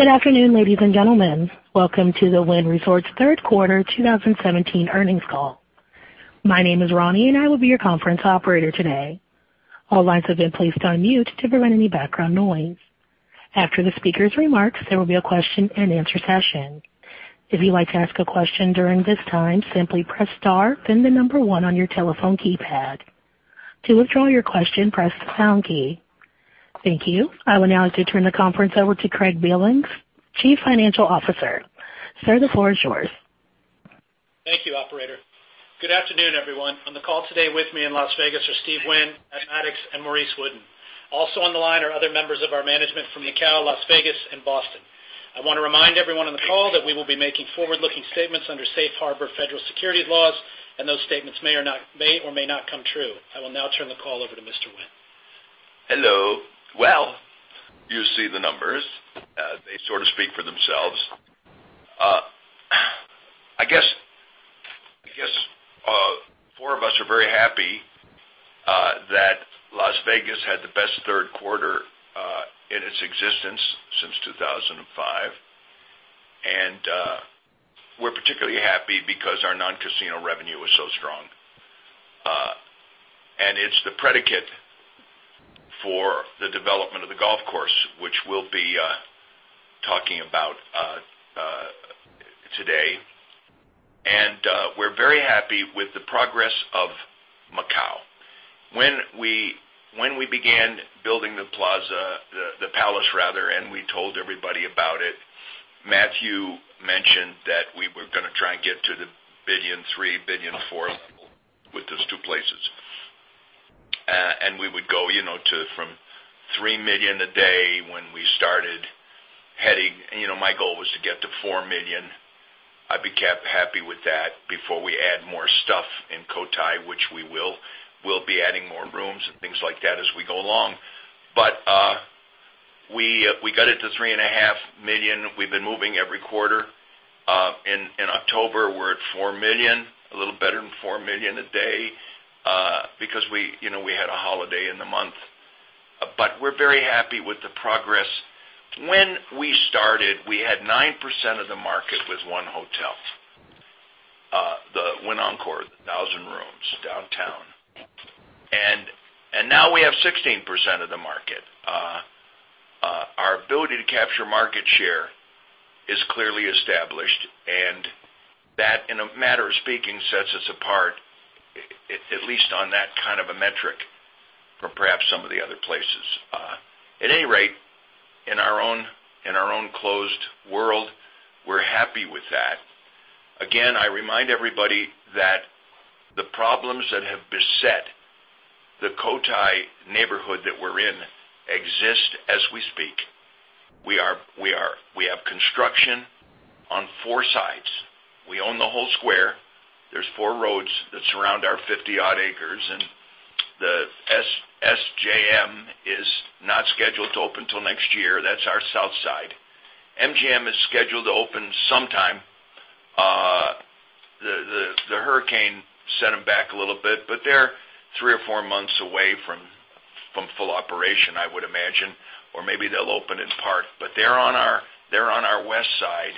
Good afternoon, ladies and gentlemen. Welcome to the Wynn Resorts third quarter 2017 earnings call. My name is Ronnie, and I will be your conference operator today. All lines have been placed on mute to prevent any background noise. After the speakers' remarks, there will be a question-and-answer session. If you'd like to ask a question during this time, simply press star, then the number one on your telephone keypad. To withdraw your question, press the pound key. Thank you. I would now like to turn the conference over to Craig Billings, Chief Financial Officer. Sir, the floor is yours. Thank you, operator. Good afternoon, everyone. On the call today with me in Las Vegas are Steve Wynn, Matt Maddox, and Maurice Wooden. Also on the line are other members of our management from Macau, Las Vegas, and Boston. I want to remind everyone on the call that we will be making forward-looking statements under safe harbor federal securities laws, and those statements may or may not come true. I will now turn the call over to Mr. Wynn. Hello. Well, you see the numbers. They sort of speak for themselves. I guess the four of us are very happy that Las Vegas had the best third quarter in its existence since 2005. We're particularly happy because our non-casino revenue was so strong. It's the predicate for the development of the golf course, which we'll be talking about today. We're very happy with the progress of Macau. When we began building the Palace rather, and we told everybody about it, Matthew mentioned that we were going to try and get to the $1.3 billion, $1.4 billion level with those two places. We would go from $3 million a day when we started heading, my goal was to get to $4 million. I'd be happy with that before we add more stuff in Cotai, which we will. We'll be adding more rooms and things like that as we go along. But we got it to $3.5 million. We've been moving every quarter. In October, we're at $4 million, a little better than $4 million a day, because we had a holiday in the month. But we're very happy with the progress. When we started, we had 9% of the market with one hotel, the Wynn Encore, the 1,000 rooms downtown. Now we have 16% of the market. Our ability to capture market share is clearly established, and that, in a matter of speaking, sets us apart, at least on that kind of a metric, from perhaps some of the other places. At any rate, in our own closed world, we're happy with that. Again, I remind everybody that the problems that have beset the Cotai neighborhood that we're in exist as we speak. We have construction on four sides. We own the whole square. There's four roads that surround our 50-odd acres. The SJM is not scheduled to open till next year. That's our south side. MGM is scheduled to open sometime. The hurricane set them back a little bit, but they're three or four months away from full operation, I would imagine, or maybe they'll open in part, but they're on our west side.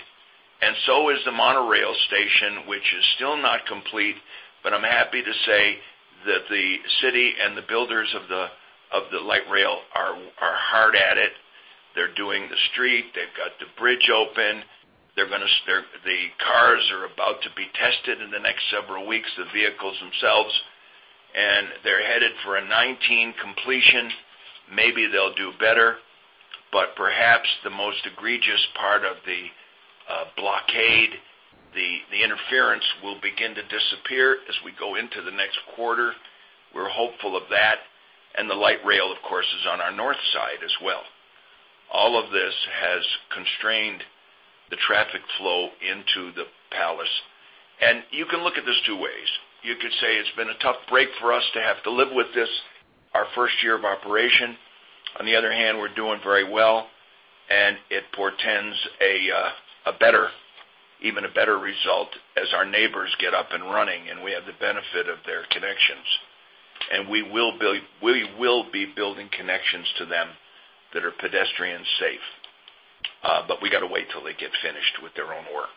The monorail station is still not complete, but I'm happy to say that the city and the builders of the light rail are hard at it. They're doing the street. They've got the bridge open. The cars are about to be tested in the next several weeks, the vehicles themselves, and they're headed for a 2019 completion. Maybe they'll do better. Perhaps the most egregious part of the blockade, the interference, will begin to disappear as we go into the next quarter. We're hopeful of that. The light rail, of course, is on our north side as well. All of this has constrained the traffic flow into the Palace. You can look at this two ways. You could say it's been a tough break for us to have to live with this our first year of operation. On the other hand, we're doing very well, and it portends even a better result as our neighbors get up and running. We have the benefit of their connections. We will be building connections to them that are pedestrian safe, but we got to wait till they get finished with their own work.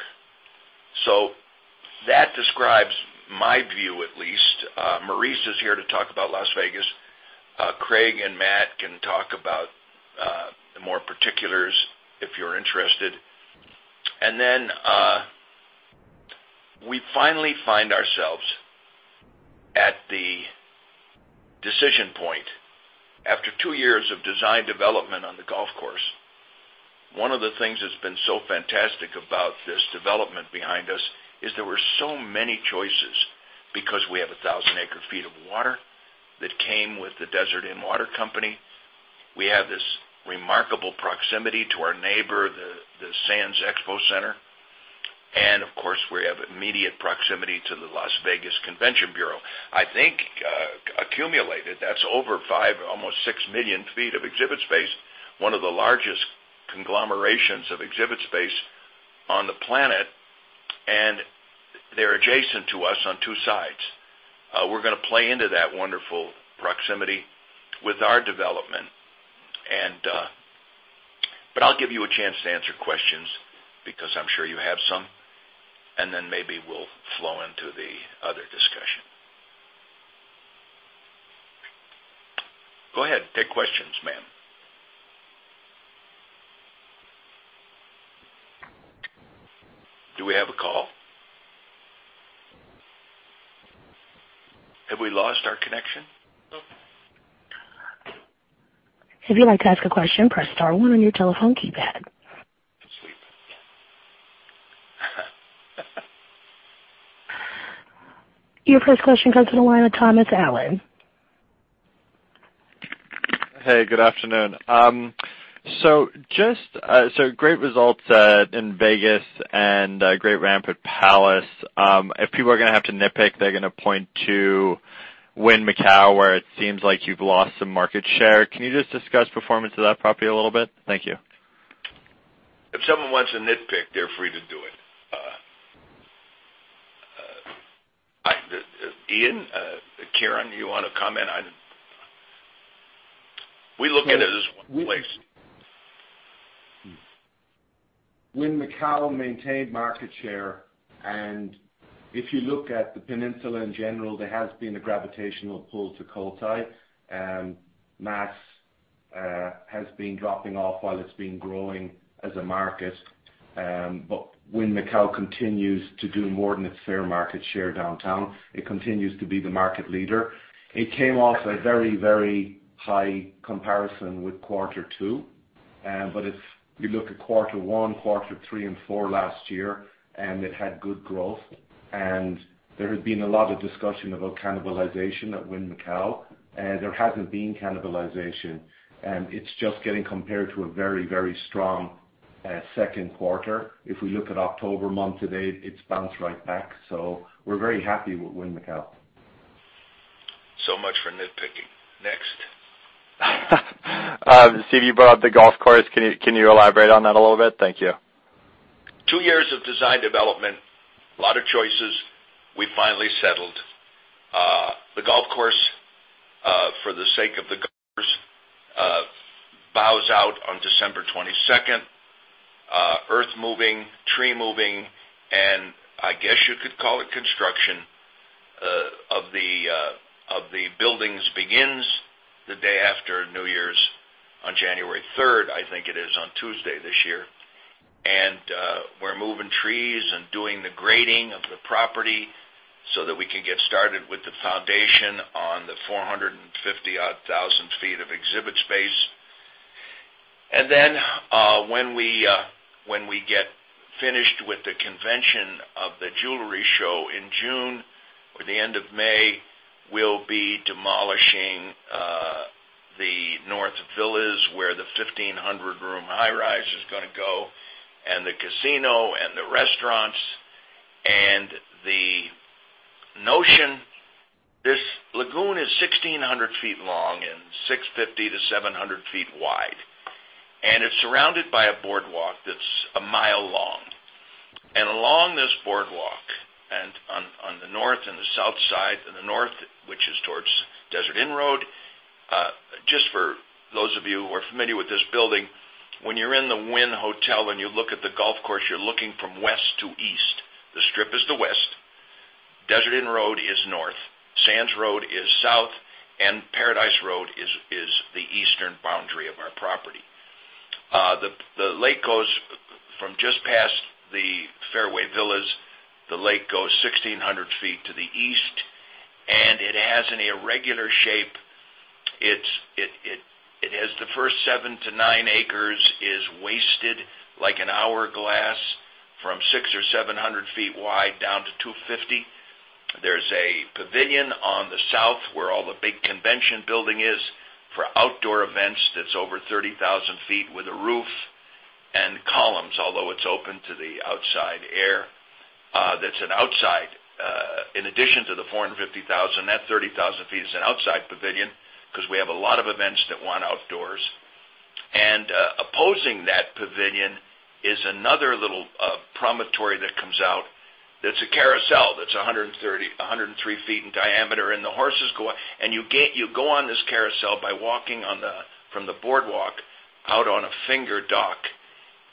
That describes my view, at least. Maurice is here to talk about Las Vegas. Craig and Matt can talk about the more particulars if you're interested. We finally find ourselves at the decision point after two years of design development on the golf course. One of the things that's been so fantastic about this development behind us is there were so many choices because we have 1,000 acre feet of water that came with the Desert Inn Water Company. We have this remarkable proximity to our neighbor, the Sands Expo Center. Of course, we have immediate proximity to the Las Vegas Convention Bureau. I think, accumulated, that's over five, almost 6 million feet of exhibit space, one of the largest conglomerations of exhibit space on the planet. They're adjacent to us on two sides. We're going to play into that wonderful proximity with our development. I'll give you a chance to answer questions, because I'm sure you have some. Maybe we'll flow into the other discussion. Go ahead, take questions, ma'am. Do we have a call? Have we lost our connection? No. If you'd like to ask a question, press star one on your telephone keypad. Sweet. Your first question comes to the line with Thomas Allen. Hey, good afternoon. Great results in Vegas and great ramp at Palace. If people are going to have to nitpick, they're going to point to Wynn Macau, where it seems like you've lost some market share. Can you just discuss performance of that property a little bit? Thank you. If someone wants to nitpick, they're free to do it. Ian, Kieran, you want to comment on we look at it as one place? Wynn Macau maintained market share. If you look at the peninsula in general, there has been a gravitational pull to Cotai, and mass has been dropping off while it's been growing as a market. Wynn Macau continues to do more than its fair market share downtown. It continues to be the market leader. It came off a very, very high comparison with quarter two. If you look at quarter one, quarter three, and four last year, it had good growth, and there has been a lot of discussion about cannibalization at Wynn Macau. There hasn't been cannibalization. It's just getting compared to a very, very strong second quarter. If we look at October month to date, it's bounced right back. We're very happy with Wynn Macau. Much for nitpicking. Next. Steve, you brought up the golf course. Can you elaborate on that a little bit? Thank you. Two years of design development, lot of choices. We finally settled. The golf course, for the sake of the golfers, bows out on December 22nd. Earth moving, tree moving, and I guess you could call it construction of the buildings begins the day after New Year's on January 3rd, I think it is on Tuesday this year. We're moving trees and doing the grading of the property so that we can get started with the foundation on the 450-odd thousand feet of exhibit space. Then when we get finished with the convention of the jewelry show in June or the end of May, we'll be demolishing the north villas where the 1,500-room high-rise is going to go, and the casino and the restaurants. The notion, this lagoon is 1,600 feet long and 650-700 feet wide. It's surrounded by a boardwalk that's one mile long. Along this boardwalk and on the north and the south side, the north, which is towards Desert Inn Road, just for those of you who are familiar with this building, when you're in the Wynn Hotel and you look at the golf course, you're looking from west to east. The Strip is the west, Desert Inn Road is north, Sands Avenue is south, and Paradise Road is the eastern boundary of our property. The lake goes from just past the fairway villas. The lake goes 1,600 feet to the east, and it has an irregular shape. The first 7 to 9 acres is wasted like an hourglass from 600 or 700 feet wide down to 250. There's a pavilion on the south where all the big convention building is for outdoor events that's over 30,000 sq ft with a roof and columns, although it's open to the outside air. In addition to the 450,000, that 30,000 sq ft is an outside pavilion because we have a lot of events that want outdoors. Opposing that pavilion is another little promontory that comes out that's a carousel that's 103 feet in diameter, and the horses go out, and you go on this carousel by walking from the boardwalk out on a finger dock,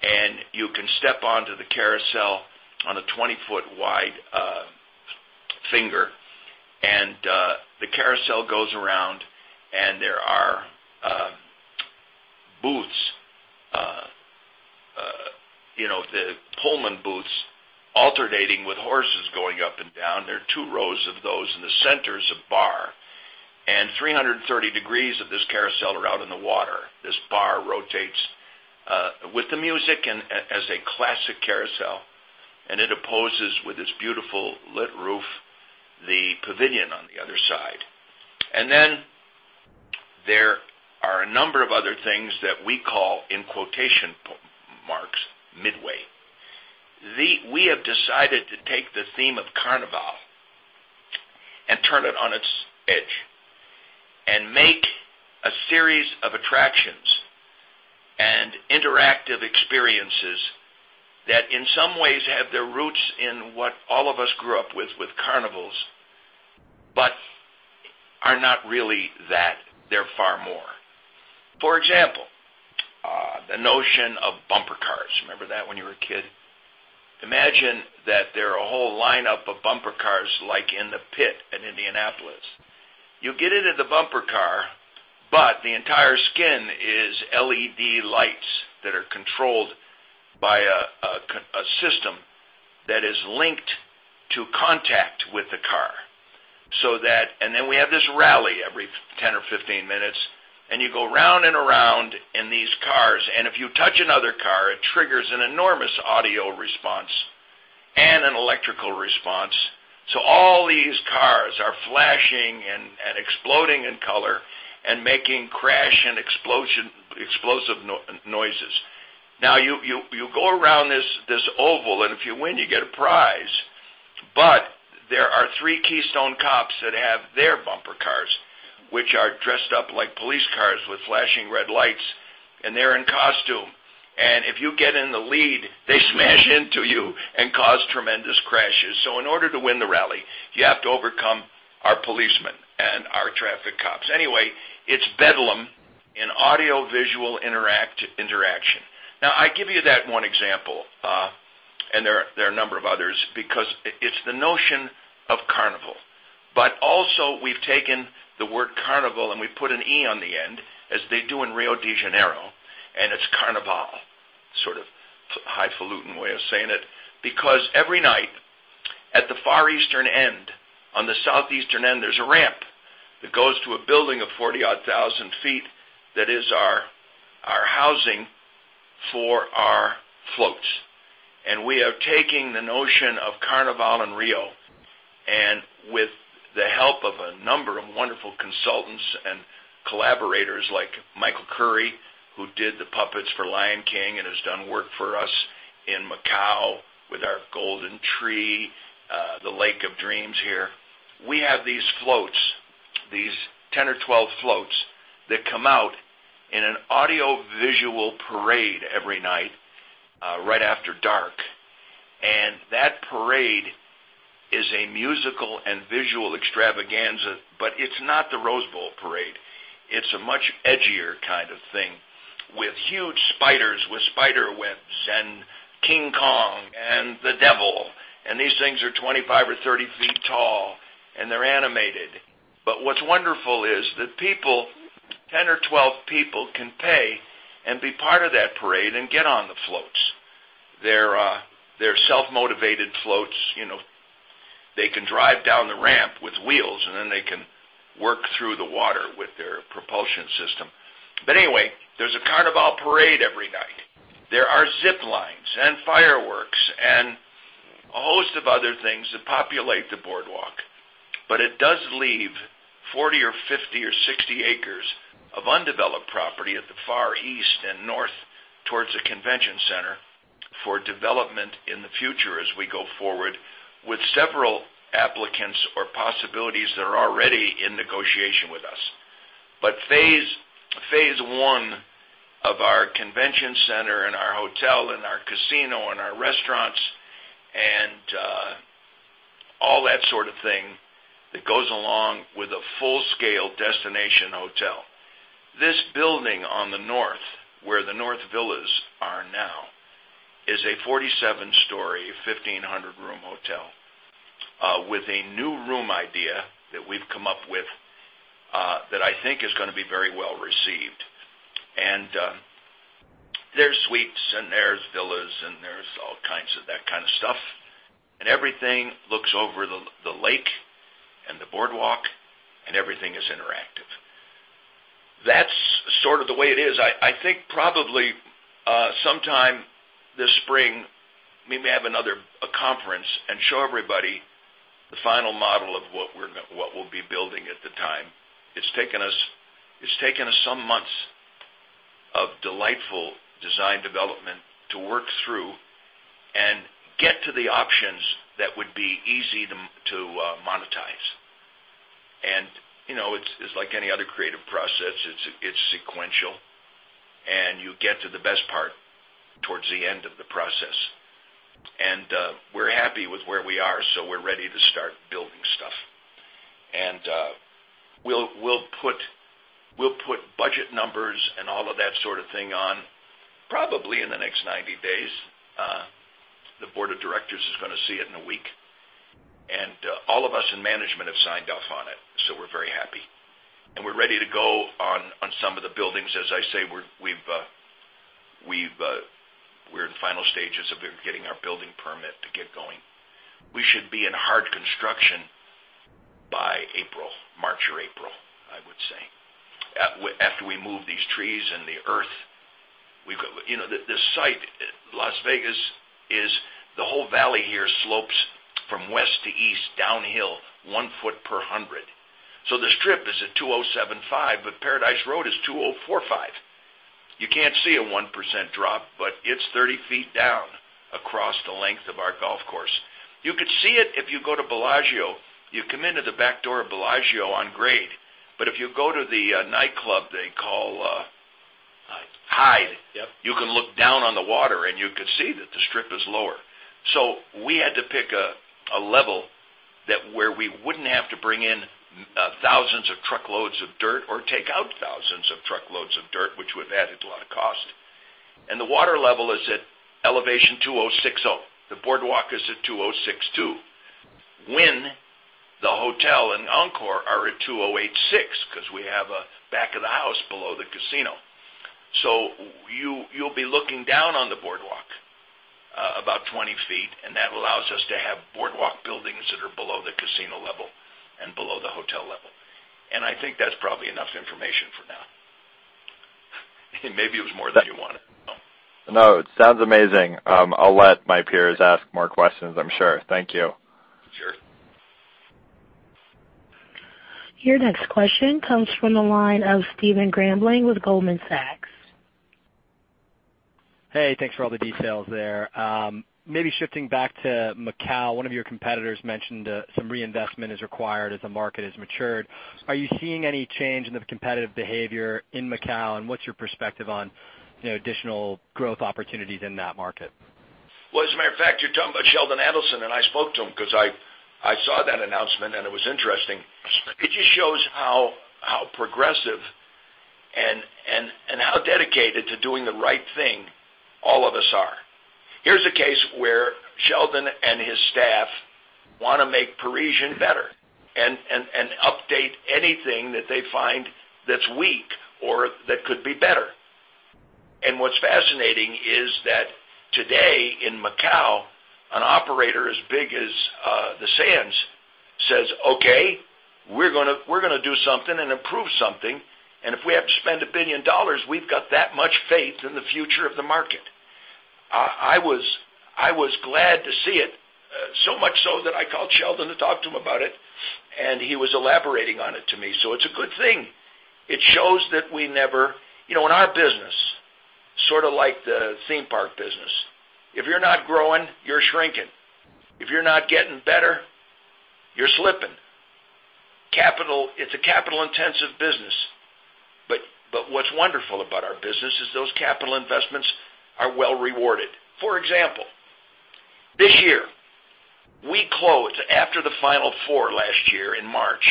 and you can step onto the carousel on a 20-foot wide finger. The carousel goes around, and there are booths, the Pullman booths alternating with horses going up and down. There are two rows of those, and the center is a bar. 330 degrees of this carousel are out in the water. This bar rotates with the music and as a classic carousel, it opposes with this beautiful lit roof, the pavilion on the other side. There are a number of other things that we call in quotation marks, midway. We have decided to take the theme of Carnivale and turn it on its edge, make a series of attractions and interactive experiences that in some ways have their roots in what all of us grew up with carnivals, but are not really that. They're far more. For example, the notion of bumper cars. Remember that when you were a kid? Imagine that there are a whole lineup of bumper cars like in the pit at Indianapolis. You get into the bumper car, but the entire skin is LED lights that are controlled by a system that is linked to contact with the car. We have this rally every 10 or 15 minutes, you go round and around in these cars, if you touch another car, it triggers an enormous audio response and an electrical response. All these cars are flashing and exploding in color and making crash and explosive noises. You go around this oval, if you win, you get a prize. There are three keystone cops that have their bumper cars, which are dressed up like police cars with flashing red lights, they're in costume. If you get in the lead, they smash into you and cause tremendous crashes. In order to win the rally, you have to overcome our policemen and our traffic cops. It's bedlam in audiovisual interaction. I give you that one example, and there are a number of others because it's the notion of Carnivale. Also we've taken the word Carnivale, and we put an E on the end, as they do in Rio de Janeiro, and it's Carnivale, sort of highfalutin way of saying it, because every night at the far eastern end, on the southeastern end, there's a ramp that goes to a building of 40-odd thousand feet that is our housing for our floats. We are taking the notion of Carnivale in Rio, and with the help of a number of wonderful consultants and collaborators like Michael Curry, who did the puppets for Lion King and has done work for us in Macau with our Golden Tree, the Lake of Dreams here. We have these floats, these 10 or 12 floats that come out in an audiovisual parade every night right after dark, and that parade is a musical and visual extravaganza. It's not the Rose Bowl parade. It's a much edgier kind of thing with huge spiders with spider webs and King Kong and the devil, and these things are 25 or 30 feet tall, and they're animated. What's wonderful is that people, 10 or 12 people, can pay and be part of that parade and get on the floats. They're self-motivated floats. They can drive down the ramp with wheels, and then they can work through the water with their propulsion system. Anyway, there's a Carnivale parade every night. There are zip lines and fireworks and a host of other things that populate the boardwalk. It does leave 40 or 50 or 60 acres of undeveloped property at the far east and north towards the convention center for development in the future as we go forward with several applicants or possibilities that are already in negotiation with us. Phase one of our convention center and our hotel and our casino and our restaurants and all that sort of thing that goes along with a full-scale destination hotel. This building on the north, where the north villas are now, is a 47-story, 1,500-room hotel with a new room idea that we've come up with that I think is going to be very well-received. There's suites and there's villas and there's all kinds of that kind of stuff, and everything looks over the lake and the boardwalk, and everything is interactive. That's sort of the way it is. I think probably sometime this spring, we may have another conference and show everybody the final model of what we'll be building at the time. It's taken us some months of delightful design development to work through and get to the options that would be easy to monetize. It's like any other creative process. It's sequential, and you get to the best part towards the end of the process. We're happy with where we are, so we're ready to start building stuff. We'll put budget numbers and all of that sort of thing on probably in the next 90 days. The board of directors is going to see it in a week, and all of us in management have signed off on it, so we're very happy. We're ready to go on some of the buildings. As I say, we're in final stages of getting our building permit to get going. We should be in hard construction by April, March or April, I would say, after we move these trees and the earth. The site, Las Vegas is the whole valley here slopes from west to east downhill, one foot per 100. The Strip is at 2,075, Paradise Road is 2,045. You can't see a 1% drop, but it's 30 feet down across the length of our golf course. You could see it if you go to Bellagio. You come into the back door of Bellagio on grade, but if you go to the nightclub. Hyde. Hyde. Yep. You can look down on the water, and you could see that the Strip is lower. We had to pick a level where we wouldn't have to bring in thousands of truckloads of dirt or take out thousands of truckloads of dirt, which would have added a lot of cost. The water level is at elevation 2060. The boardwalk is at 2062. Wynn, the hotel, and Encore are at 2086 because we have a back of the house below the casino. You'll be looking down on the boardwalk about 20 feet, and that allows us to have boardwalk buildings that are below the casino level and below the hotel level. I think that's probably enough information for now. Maybe it was more than you wanted. No, it sounds amazing. I'll let my peers ask more questions, I'm sure. Thank you. Sure. Your next question comes from the line of Stephen Grambling with Goldman Sachs. Hey, thanks for all the details there. Maybe shifting back to Macau, one of your competitors mentioned some reinvestment is required as the market has matured. Are you seeing any change in the competitive behavior in Macau? What's your perspective on additional growth opportunities in that market? Well, as a matter of fact, you're talking about Sheldon Adelson. I spoke to him because I saw that announcement. It was interesting. It just shows how progressive and how dedicated to doing the right thing all of us are. Here's a case where Sheldon and his staff want to make Parisian better and update anything that they find that's weak or that could be better. What's fascinating is that today in Macau, an operator as big as the Sands says, "Okay, we're going to do something and improve something, if we have to spend $1 billion, we've got that much faith in the future of the market." I was glad to see it, so much so that I called Sheldon to talk to him about it. He was elaborating on it to me. It's a good thing. In our business, sort of like the theme park business, if you're not growing, you're shrinking. If you're not getting better, you're slipping. It's a capital-intensive business. What's wonderful about our business is those capital investments are well rewarded. For example, this year, we closed after the Final Four last year in March.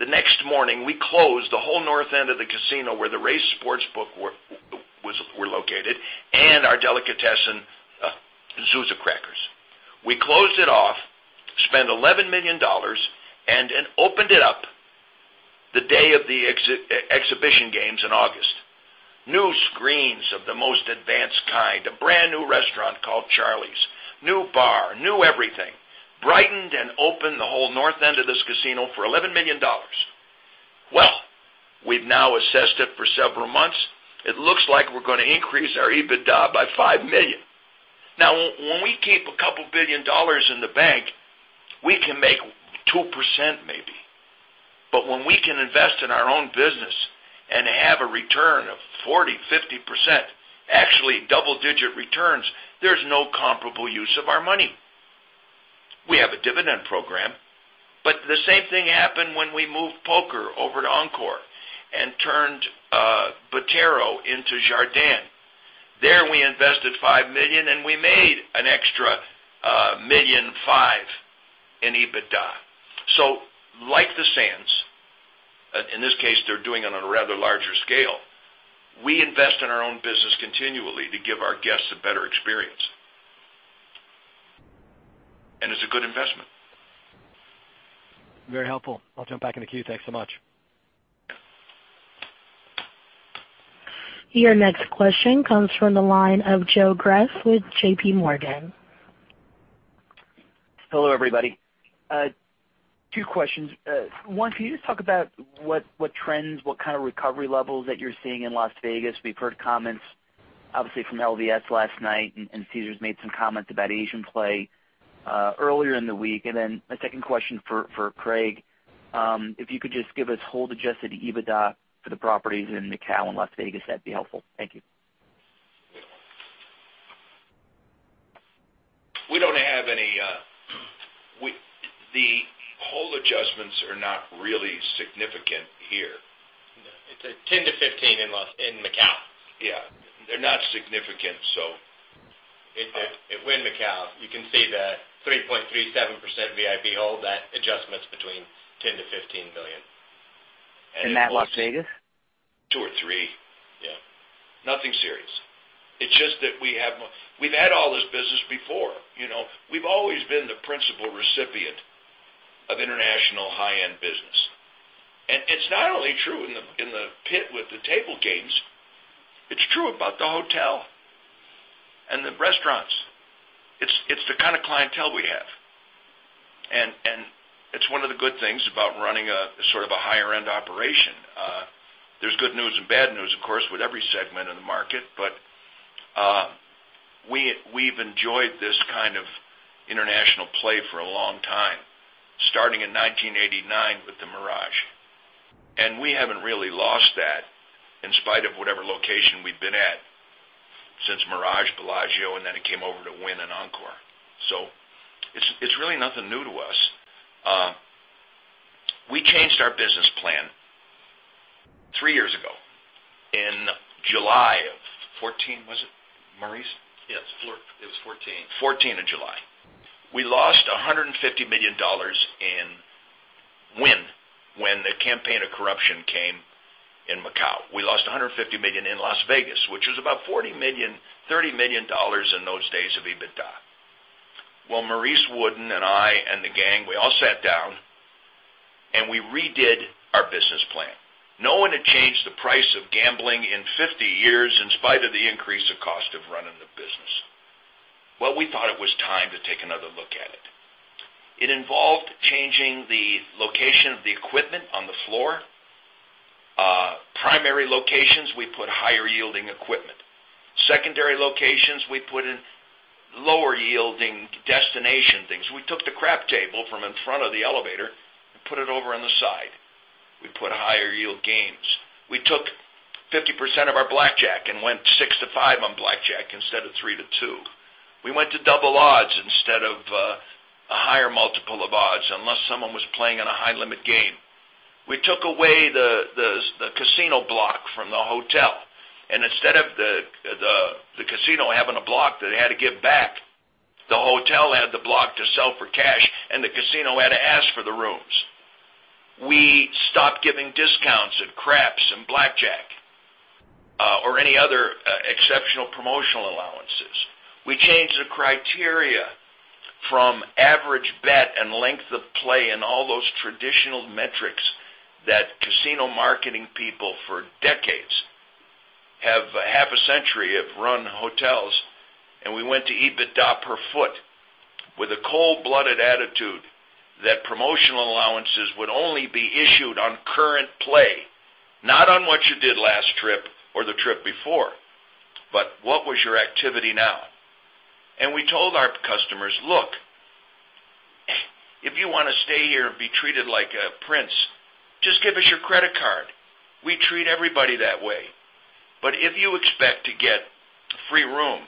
The next morning, we closed the whole north end of the casino where the race sports book were located and our delicatessen, Zoozacrackers. We closed it off, spent $11 million, opened it up the day of the exhibition games in August. New screens of the most advanced kind, a brand-new restaurant called Charlie's. New bar, new everything. Brightened and opened the whole north end of this casino for $11 million. Well, we've now assessed it for several months. It looks like we're going to increase our EBITDA by $5 million. Now, when we keep $2 billion in the bank, we can make 2% maybe. When we can invest in our own business and have a return of 40%, 50%, actually double-digit returns, there's no comparable use of our money. We have a dividend program. The same thing happened when we moved poker over to Encore and turned Botero into Jardin. There we invested $5 million, we made an extra $1.5 million in EBITDA. Like the Sands, in this case, they're doing it on a rather larger scale, we invest in our own business continually to give our guests a better experience. It's a good investment. Very helpful. I'll jump back in the queue. Thanks so much. Your next question comes from the line of Joe Greff with JPMorgan. Hello, everybody. Two questions. One, can you just talk about what trends, what kind of recovery levels that you're seeing in Las Vegas? We've heard comments, obviously, from LVS last night, and Caesars made some comments about Asian play earlier in the week. Then a second question for Craig. If you could just give us hold-adjusted EBITDA for the properties in Macau and Las Vegas, that'd be helpful. Thank you. We don't have The hold adjustments are not really significant here. It's a $10 million-$15 million in Macau. Yeah. They're not significant. At Wynn Macau, you can see the 3.37% VIP hold the adjustments between $10 million-$15 million. That Las Vegas? Two or three. Yeah. Nothing serious. It's just that we've had all this business before. We've always been the principal recipient of international high-end business. It's not only true in the pit with the table games, it's true about the hotel and the restaurants. It's the kind of clientele we have. It's one of the good things about running a sort of a higher-end operation. There's good news and bad news, of course, with every segment of the market. We've enjoyed this kind of international play for a long time, starting in 1989 with The Mirage. We haven't really lost that in spite of whatever location we've been at since The Mirage, Bellagio, and then it came over to Wynn and Encore. It's really nothing new to us. We changed our business plan three years ago in July of 2014. Was it, Maurice? Yes. It was 2014. 2014 in July. We lost $150 million in Wynn when the campaign of corruption came in Macau. We lost $150 million in Las Vegas, which was about $40 million, $30 million in those days of EBITDA. Maurice Wooden and I and the gang, we all sat down, we redid our business plan. No one had changed the price of gambling in 50 years, in spite of the increase of cost of running the business. We thought it was time to take another look at it. It involved changing the location of the equipment on the floor. Primary locations, we put higher-yielding equipment. Secondary locations, we put in lower-yielding destination things. We took the crap table from in front of the elevator and put it over on the side. We put higher yield games. We took 50% of our blackjack and went 6 to 5 on blackjack instead of 3 to 2. We went to double odds instead of a higher multiple of odds, unless someone was playing in a high-limit game. We took away the casino block from the hotel. Instead of the casino having a block that it had to give back, the hotel had the block to sell for cash. The casino had to ask for the rooms. We stopped giving discounts at craps and blackjack or any other exceptional promotional allowances. We changed the criteria from average bet and length of play and all those traditional metrics that casino marketing people for decades, half a century, have run hotels. We went to EBITDA per foot with a cold-blooded attitude that promotional allowances would only be issued on current play, not on what you did last trip or the trip before, but what was your activity now. We told our customers, "Look, if you want to stay here and be treated like a prince, just give us your credit card. We treat everybody that way. If you expect to get free room,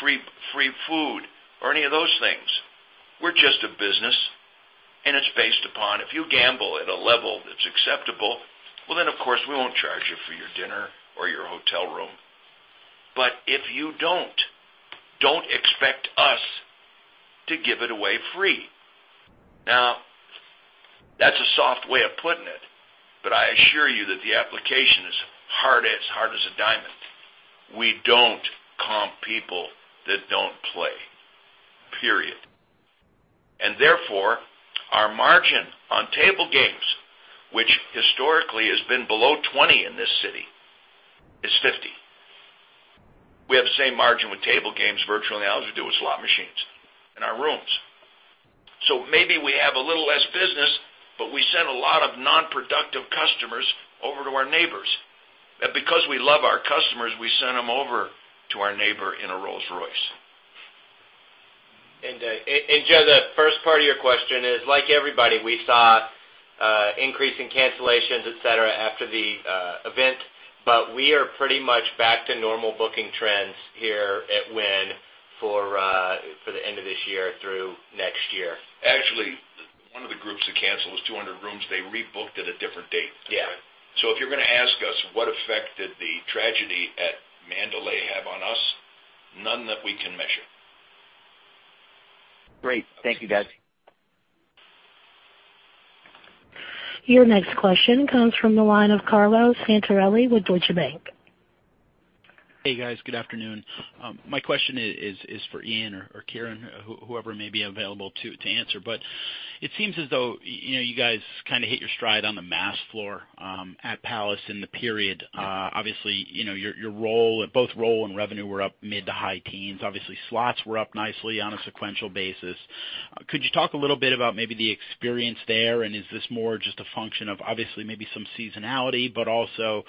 free food, or any of those things, we're just a business, it's based upon if you gamble at a level that's acceptable, then, of course, we won't charge you for your dinner or your hotel room. If you don't expect us to give it away free." That's a soft way of putting it, but I assure you that the application is hard as a diamond. We don't comp people that don't play, period. Therefore, our margin on table games, which historically has been below 20 in this city, is 50. We have the same margin with table games virtually as we do with slot machines in our rooms. Maybe we have a little less business, but we send a lot of non-productive customers over to our neighbors. Because we love our customers, we send them over to our neighbor in a Rolls-Royce. Joe, the first part of your question is, like everybody, we saw increase in cancellations, et cetera, after the event, but we are pretty much back to normal booking trends here at Wynn for the end of this year through next year. Actually, one of the groups that canceled was 200 rooms. They rebooked at a different date. Yeah. If you're going to ask us what effect did the tragedy at Mandalay have on us, none that we can measure. Great. Thank you, guys. Your next question comes from the line of Carlo Santarelli with Deutsche Bank. Hey, guys. Good afternoon. My question is for Ian or Kieran, whoever may be available to answer. It seems as though you guys kind of hit your stride on the mass floor at Palace in the period. Obviously, your roll, both roll and revenue were up mid to high teens. Obviously, slots were up nicely on a sequential basis. Could you talk a little bit about maybe the experience there, and is this more just a function of, obviously, maybe some seasonality, but also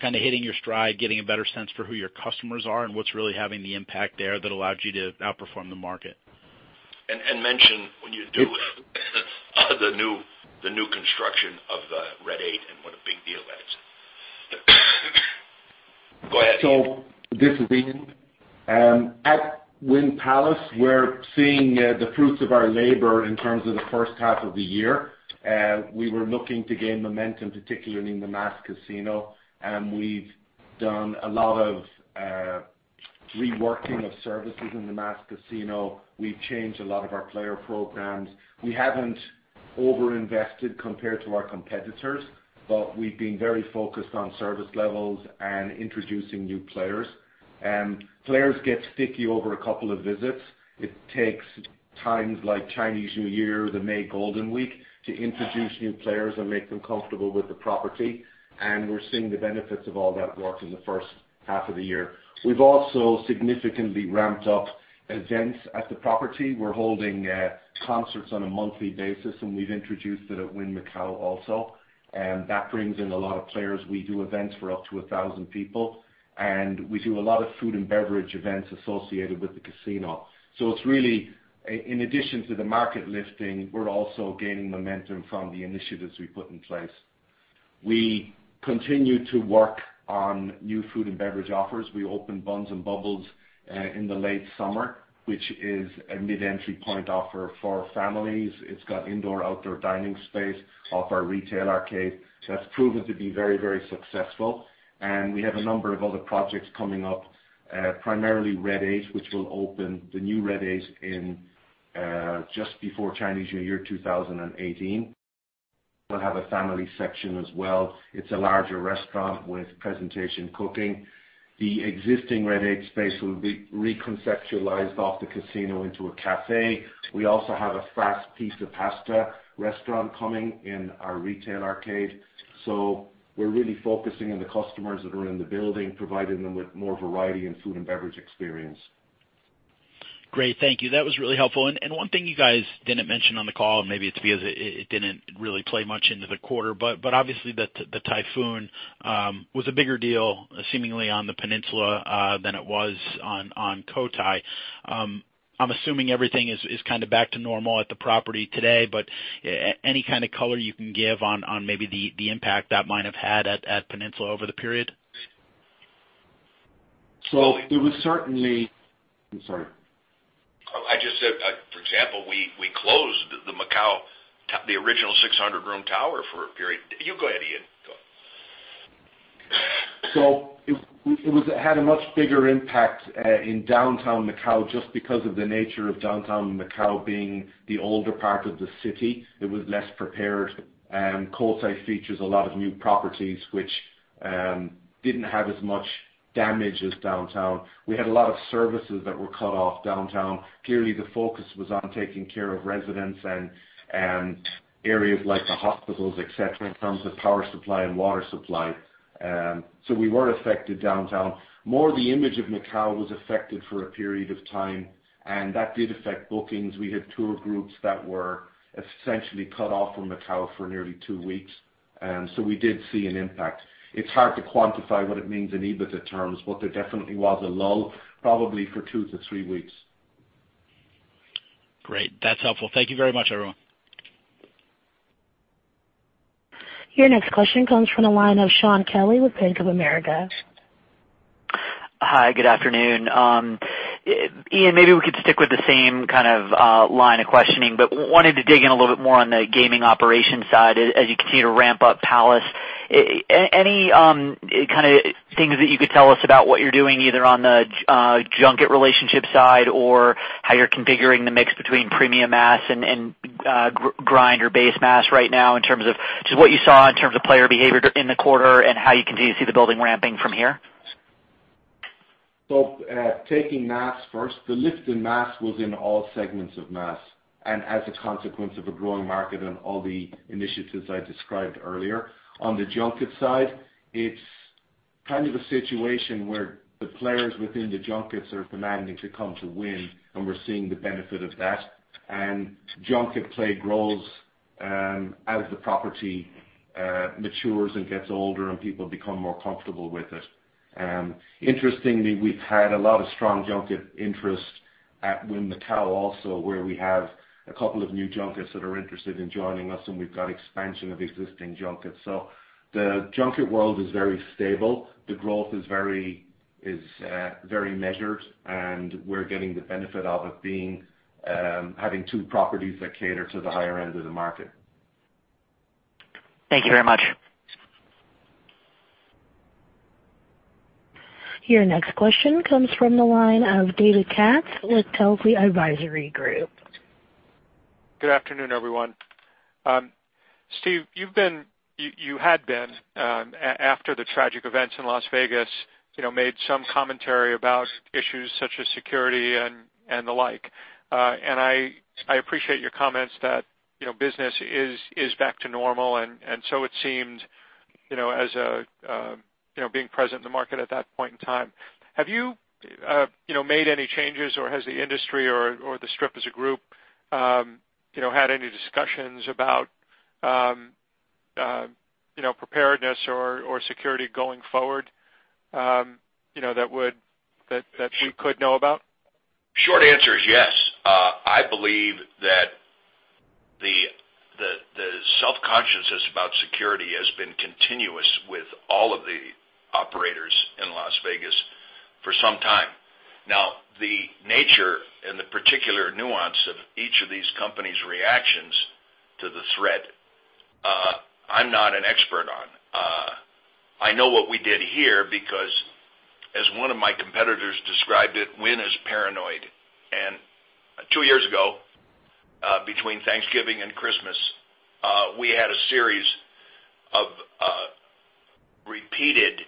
kind of hitting your stride, getting a better sense for who your customers are and what's really having the impact there that allowed you to outperform the market? Mention when you do the new construction of the Red 8 and what a big deal that is. Go ahead, Ian. This is Ian. At Wynn Palace, we're seeing the fruits of our labor in terms of the first half of the year. We were looking to gain momentum, particularly in the mass casino. We've done a lot of reworking of services in the mass casino. We've changed a lot of our player programs. We haven't over-invested compared to our competitors, but we've been very focused on service levels and introducing new players. Players get sticky over a couple of visits. It takes times like Chinese New Year, the May Golden Week, to introduce new players and make them comfortable with the property, and we're seeing the benefits of all that work in the first half of the year. We've also significantly ramped up Events at the property. We're holding concerts on a monthly basis, and we've introduced it at Wynn Macau also. That brings in a lot of players. We do events for up to 1,000 people, and we do a lot of food and beverage events associated with the casino. It's really, in addition to the market lifting, we're also gaining momentum from the initiatives we put in place. We continue to work on new food and beverage offers. We opened Buns & Bubbles in the late summer, which is a mid-entry point offer for families. It's got indoor/outdoor dining space off our retail arcade. That's proven to be very successful. We have a number of other projects coming up, primarily Red 8, which will open, the new Red 8, just before Chinese New Year 2018. We'll have a family section as well. It's a larger restaurant with presentation cooking. The existing Red 8 space will be reconceptualized off the casino into a cafe. We also have a fast pizza, pasta restaurant coming in our retail arcade. We're really focusing on the customers that are in the building, providing them with more variety in food and beverage experience. Great, thank you. That was really helpful. One thing you guys didn't mention on the call, maybe it's because it didn't really play much into the quarter, obviously the typhoon was a bigger deal seemingly on the Peninsula than it was on Cotai. I'm assuming everything is back to normal at the property today, any kind of color you can give on maybe the impact that might have had at Peninsula over the period? It was certainly I'm sorry. I just said, for example, we closed the Wynn Macau, the original 600-room tower for a period. You go ahead, Ian. Go on. It had a much bigger impact in downtown Macau just because of the nature of downtown Macau being the older part of the city, it was less prepared. Cotai features a lot of new properties which didn't have as much damage as downtown. We had a lot of services that were cut off downtown. Clearly, the focus was on taking care of residents and areas like the hospitals, et cetera, in terms of power supply and water supply. We were affected downtown. More the image of Macau was affected for a period of time, that did affect bookings. We had tour groups that were essentially cut off from Macau for nearly two weeks, we did see an impact. It's hard to quantify what it means in EBITDA terms, but there definitely was a lull, probably for two to three weeks. Great. That's helpful. Thank you very much, everyone. Your next question comes from the line of Shaun Kelley with Bank of America. Hi, good afternoon. Ian, maybe we could stick with the same line of questioning, but wanted to dig in a little bit more on the gaming operations side as you continue to ramp up Palace. Any things that you could tell us about what you're doing, either on the junket relationship side or how you're configuring the mix between premium mass and grind or base mass right now in terms of just what you saw in terms of player behavior in the quarter and how you continue to see the building ramping from here? Taking mass first, the lift in mass was in all segments of mass, and as a consequence of a growing market and all the initiatives I described earlier. On the junket side, it's a situation where the players within the junkets are demanding to come to Wynn, and we're seeing the benefit of that. Junket play grows, as the property matures and gets older and people become more comfortable with it. Interestingly, we've had a lot of strong junket interest at Wynn Macau also, where we have a couple of new junkets that are interested in joining us, and we've got expansion of existing junkets. The junket world is very stable. The growth is very measured, and we're getting the benefit of it having two properties that cater to the higher end of the market. Thank you very much. Your next question comes from the line of David Katz with Telsey Advisory Group. Good afternoon, everyone. Steve, you had been, after the tragic events in Las Vegas, made some commentary about issues such as security and the like. I appreciate your comments that business is back to normal it seemed, being present in the market at that point in time. Have you made any changes or has the industry or the Strip as a group had any discussions about preparedness or security going forward that we could know about? Short answer is yes. I believe that the self-consciousness about security has been continuous with all of the operators in Las Vegas for some time. Now, the nature and the particular nuance of each of these companies' reactions to the threat, I'm not an expert on. I know what we did here because, as one of my competitors described it, Wynn is paranoid. Two years ago, between Thanksgiving and Christmas, we had a series of repeated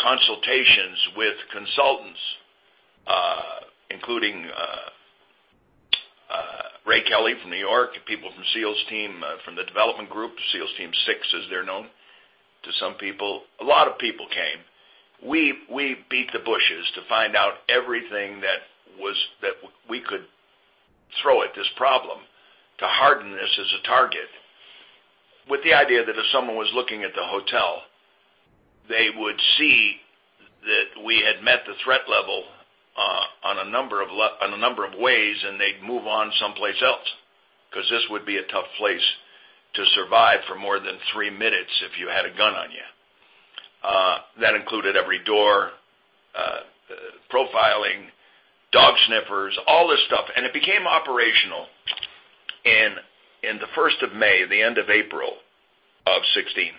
consultations with consultants, including Kelly from New York, people from SEAL Team from the development group, SEAL Team Six, as they're known to some people. A lot of people came. We beat the bushes to find out everything that we could throw at this problem to harden this as a target, with the idea that if someone was looking at the hotel, they would see that we had met the threat level on a number of ways, they'd move on someplace else, because this would be a tough place to survive for more than three minutes if you had a gun on you. That included every door, profiling, dog sniffers, all this stuff. It became operational in the 1st of May, the end of April of 2016.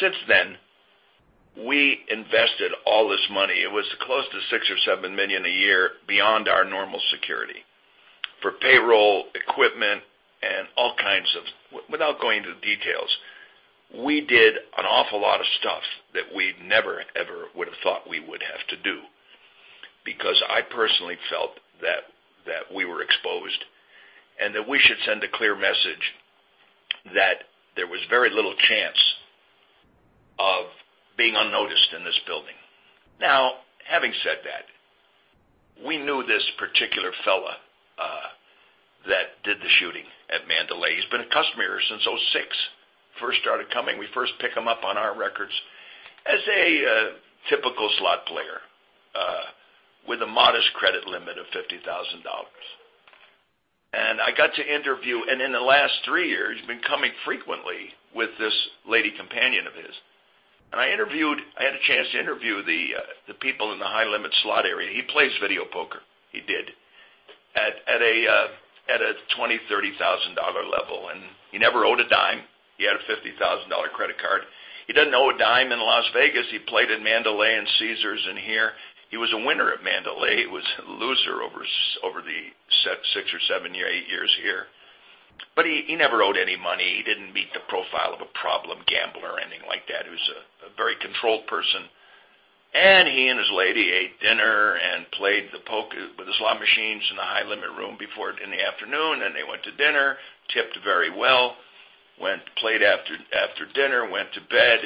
Since then, we invested all this money. It was close to $6 million or $7 million a year beyond our normal security for payroll, equipment, and all kinds of. Without going into the details, we did an awful lot of stuff that we never, ever would have thought we would have to do, because I personally felt that we were exposed and that we should send a clear message that there was very little chance of being unnoticed in this building. Having said that, we knew this particular fellow that did the shooting at Mandalay. He's been a customer here since 2006. First started coming, we first pick him up on our records as a typical slot player with a modest credit limit of $50,000. I got to interview, and in the last three years, he's been coming frequently with this lady companion of his. I had a chance to interview the people in the high-limit slot area. He plays video poker. He did, at a $20,000, $30,000 level, and he never owed a dime. He had a $50,000 credit card. He doesn't owe a dime in Las Vegas. He played at Mandalay and Caesars and here. He was a winner at Mandalay. He was a loser over the six or seven, eight years here. He never owed any money. He didn't meet the profile of a problem gambler or anything like that. He was a very controlled person, and he and his lady ate dinner and played the slot machines in the high limit room in the afternoon, and they went to dinner, tipped very well, played after dinner, went to bed.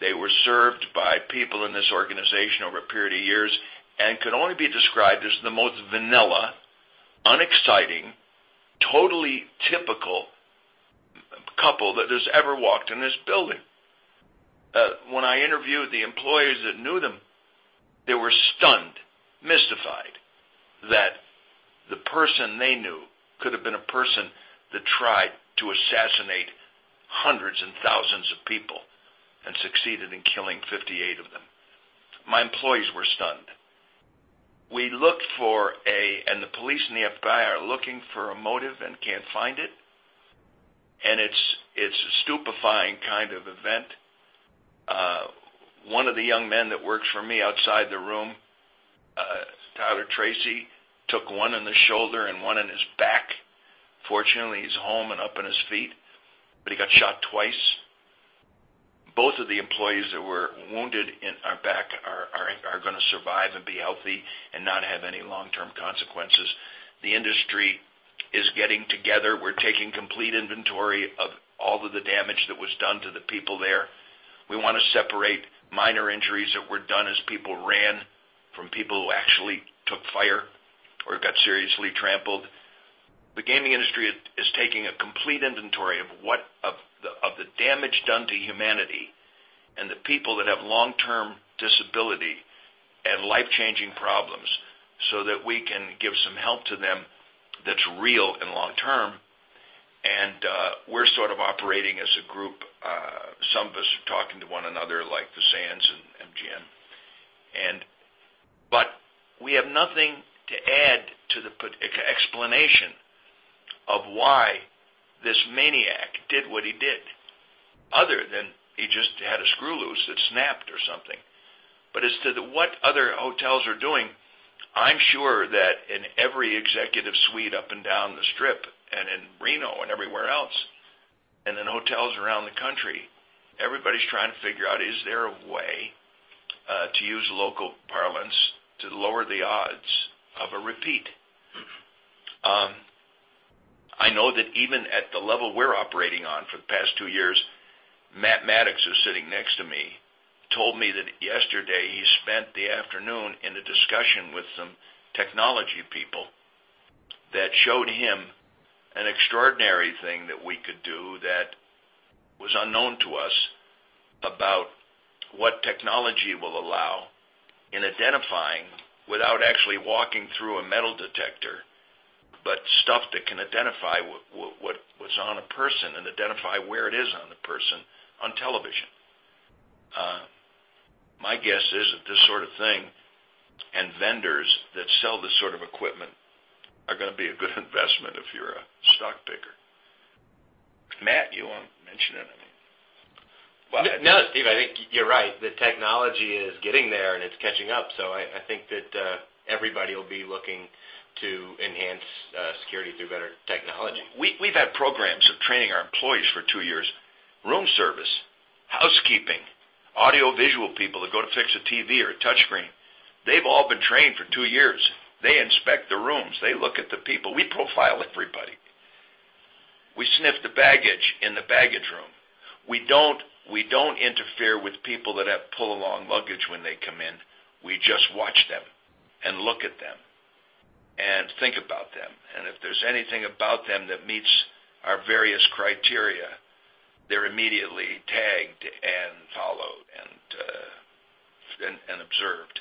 They were served by people in this organization over a period of years and could only be described as the most vanilla, unexciting, totally typical couple that has ever walked in this building. When I interviewed the employees that knew them, they were stunned, mystified that the person they knew could have been a person that tried to assassinate hundreds and thousands of people and succeeded in killing 58 of them. My employees were stunned. The police and the FBI are looking for a motive and can't find it, and it's a stupefying kind of event. One of the young men that works for me outside the room, Tyler Tracy, took one in the shoulder and one in his back. Fortunately, he's home and up on his feet, but he got shot twice. Both of the employees that were wounded in our back are going to survive and be healthy and not have any long-term consequences. The industry is getting together. We're taking complete inventory of all of the damage that was done to the people there. We want to separate minor injuries that were done as people ran from people who actually took fire or got seriously trampled. The gaming industry is taking a complete inventory of the damage done to humanity and the people that have long-term disability and life-changing problems so that we can give some help to them that's real and long-term. We're sort of operating as a group. Some of us are talking to one another, like the Sands and MGM. We have nothing to add to the explanation of why this maniac did what he did other than he just had a screw loose that snapped or something. As to what other hotels are doing, I'm sure that in every executive suite up and down the Strip and in Reno and everywhere else, and in hotels around the country, everybody's trying to figure out, is there a way, to use local parlance, to lower the odds of a repeat? I know that even at the level we're operating on for the past two years, Matt Maddox, who's sitting next to me, told me that yesterday he spent the afternoon in a discussion with some technology people that showed him an extraordinary thing that we could do that was unknown to us about what technology will allow in identifying, without actually walking through a metal detector, but stuff that can identify what's on a person and identify where it is on the person on television. My guess is that this sort of thing and vendors that sell this sort of equipment are going to be a good investment if you're a stock picker. Matt, you want to mention anything? No, Steve, I think you're right. The technology is getting there, and it's catching up. I think that everybody will be looking to enhance security through better technology. We've had programs of training our employees for two years. Room service housekeeping, audiovisual people that go to fix a TV or a touch screen, they've all been trained for two years. They inspect the rooms. They look at the people. We profile everybody. We sniff the baggage in the baggage room. We don't interfere with people that have pull-along luggage when they come in. We just watch them and look at them and think about them. If there's anything about them that meets our various criteria, they're immediately tagged and followed and observed.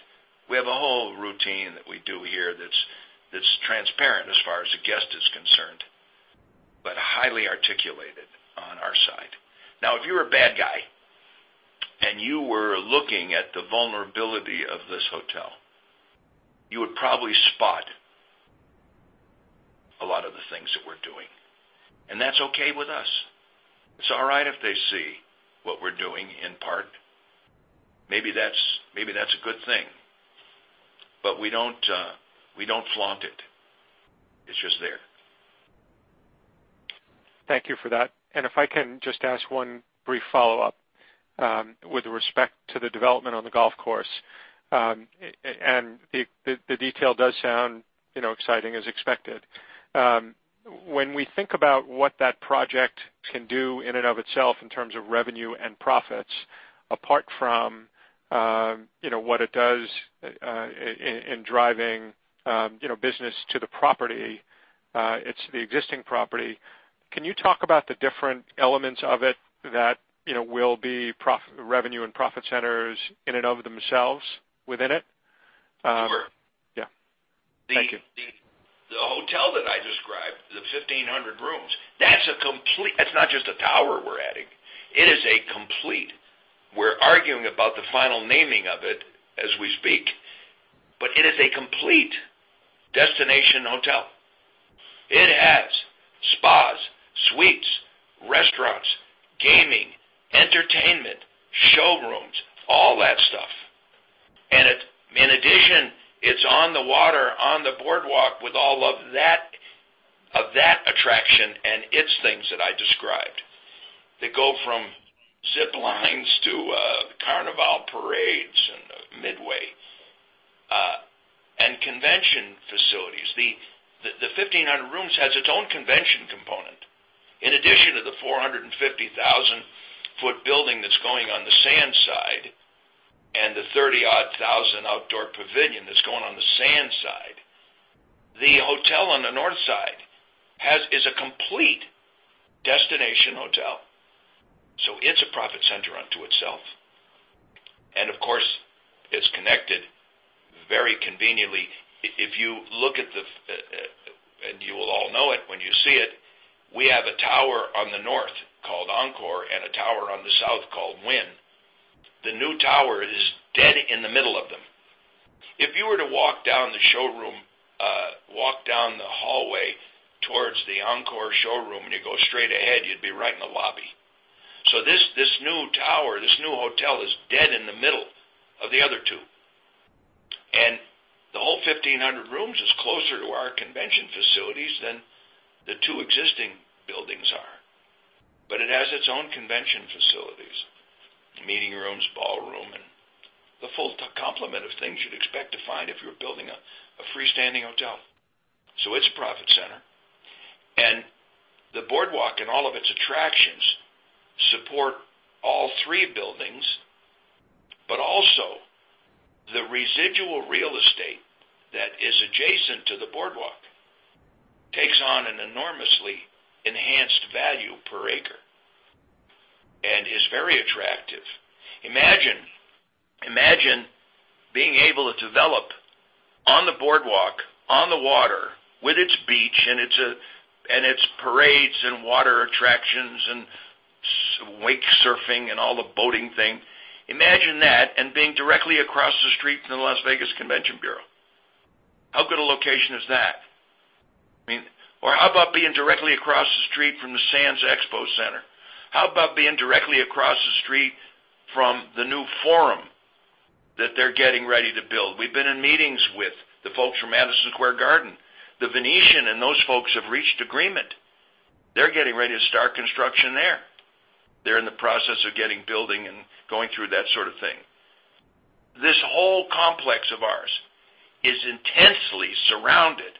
We have a whole routine that we do here that's transparent as far as the guest is concerned, but highly articulated on our side. Now, if you're a bad guy, and you were looking at the vulnerability of this hotel, you would probably spot a lot of the things that we're doing. That's okay with us. It's all right if they see what we're doing in part. Maybe that's a good thing. We don't flaunt it. It's just there. Thank you for that. If I can just ask one brief follow-up with respect to the development on the golf course, the detail does sound exciting as expected. When we think about what that project can do in and of itself in terms of revenue and profits, apart from what it does in driving business to the property, it's the existing property. Can you talk about the different elements of it that will be revenue and profit centers in and of themselves within it? Sure. Yeah. Thank you. The hotel that I described, the 1,500 rooms, that's a complete. That's not just a tower we're adding. It is a complete. We're arguing about the final naming of it as we speak, but it is a complete destination hotel. It has spas, suites, restaurants, gaming, entertainment, showrooms, all that stuff. In addition, it's on the water on the boardwalk with all of that attraction and its things that I described, that go from zip lines to carnival parades and midway, and convention facilities. The 1,500 rooms has its own convention component. In addition to the 450,000-foot building that's going on the sand side and the 30-odd thousand outdoor pavilion that's going on the sand side, the hotel on the north side is a complete destination hotel. It's a profit center unto itself. And of course, it's connected very conveniently. If you look at the, and you will all know it when you see it. We have a tower on the north called Encore and a tower on the south called Wynn. The new tower is dead in the middle of them. If you were to walk down the showroom, walk down the hallway towards the Encore showroom, and you go straight ahead, you'd be right in the lobby. This new tower, this new hotel is dead in the middle of the other two. And the whole 1,500 rooms is closer to our convention facilities than the two existing buildings are. But it has its own convention facilities, meeting rooms, ballroom, and the full complement of things you'd expect to find if you were building a freestanding hotel. It's a profit center. The boardwalk and all of its attractions support all three buildings, but also the residual real estate that is adjacent to the boardwalk takes on an enormously enhanced value per acre and is very attractive. Imagine being able to develop on the boardwalk, on the water with its beach and its parades and water attractions and wake surfing and all the boating thing. Imagine that and being directly across the street from the Las Vegas Convention Bureau. How good a location is that? Or how about being directly across the street from the Sands Expo Center? How about being directly across the street from the new forum that they're getting ready to build? We've been in meetings with the folks from Madison Square Garden, The Venetian, and those folks have reached agreement. They're getting ready to start construction there. They're in the process of getting building and going through that sort of thing. This whole complex of ours is intensely surrounded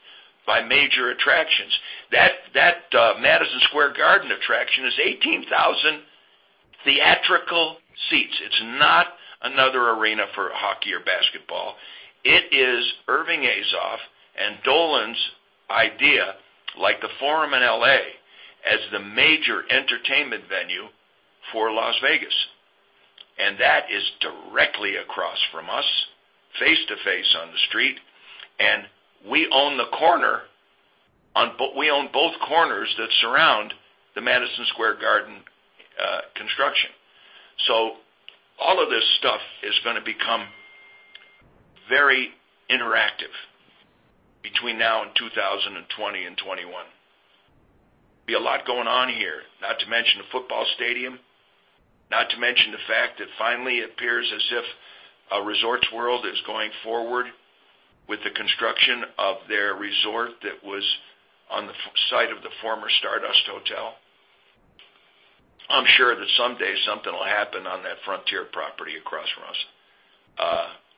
by major attractions. That Madison Square Garden attraction is 18,000 theatrical seats. It's not another arena for hockey or basketball. It is Irving Azoff and Dolan's idea, like the Forum in L.A., as the major entertainment venue for Las Vegas. And that is directly across from us, face to face on the street, and we own the corner. We own both corners that surround the Madison Square Garden construction. All of this stuff is going to become very interactive between now and 2020 and 2021. Be a lot going on here, not to mention the football stadium, not to mention the fact that finally it appears as if a Resorts World is going forward with the construction of their resort that was on the site of the former Stardust Resort and Casino. I'm sure that someday something will happen on that Frontier property across from us.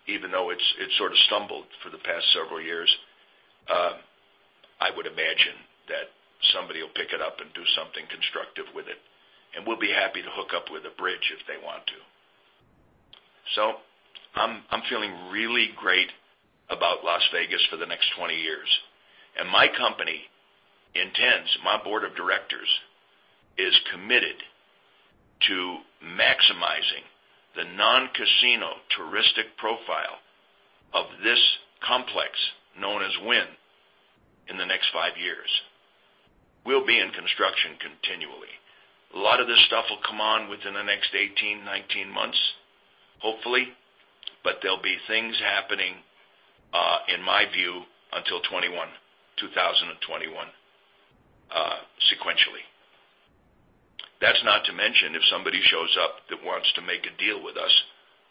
Even though it's sort of stumbled for the past several years. I would imagine that somebody will pick it up and do something constructive with it, and we'll be happy to hook up with a bridge if they want to. I'm feeling really great about Las Vegas for the next 20 years, and my company intends, my board of directors is committed to maximizing the non-casino touristic profile of this complex, known as Wynn, in the next 5 years. We'll be in construction continually. A lot of this stuff will come on within the next 18, 19 months, hopefully, there'll be things happening, in my view, until 2021, sequentially. That's not to mention if somebody shows up that wants to make a deal with us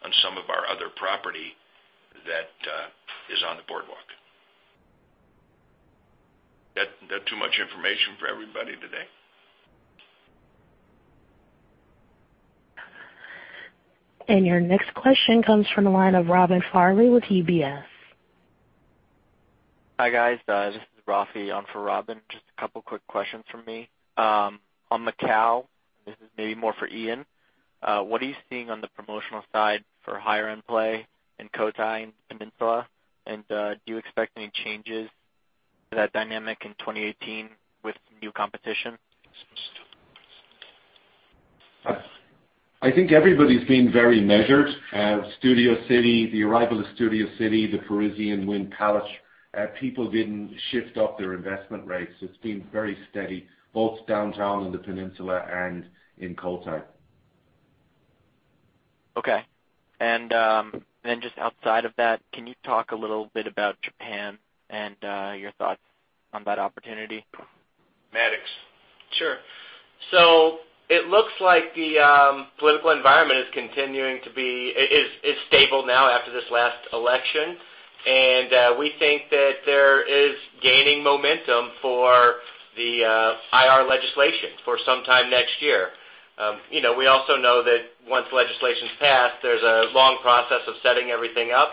on some of our other property that is on the boardwalk. That too much information for everybody today? Your next question comes from the line of Robin Farley with UBS. Hi, guys. This is Rafi on for Robin. Just a couple quick questions from me. On Macau, this is maybe more for Ian. What are you seeing on the promotional side for higher-end play in Cotai and Peninsula? Do you expect any changes to that dynamic in 2018 with new competition? I think everybody's been very measured. The arrival of Studio City, the Parisian, Wynn Palace, people didn't shift up their investment rates. It's been very steady, both downtown in the Peninsula and in Cotai. Okay. Just outside of that, can you talk a little bit about Japan and your thoughts on that opportunity? Maddox. Sure. It looks like the political environment is stable now after this last election, and we think that there is gaining momentum for the IR legislation for sometime next year. We also know that once legislation's passed, there's a long process of setting everything up.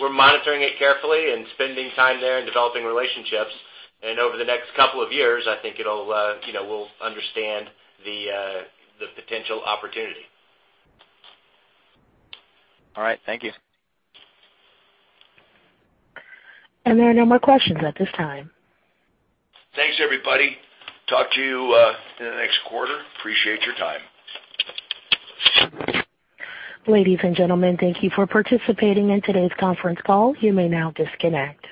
We're monitoring it carefully and spending time there and developing relationships. Over the next couple of years, I think we'll understand the potential opportunity. All right. Thank you. There are no more questions at this time. Thanks, everybody. Talk to you in the next quarter. Appreciate your time. Ladies and gentlemen, thank you for participating in today's conference call. You may now disconnect.